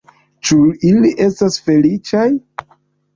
Ĉu ili estas feliĉaj?